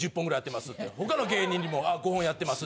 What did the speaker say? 他の芸人にも「５本やってます」